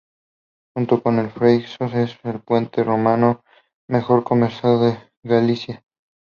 Junto con el del Freixo es el puente romano mejor conservado de Galicia.